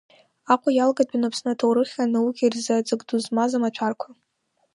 Аҟәа иалгатәын Аԥсны аҭоурыхи анаукеи рзы аҵак ду змаз амаҭәарқәа.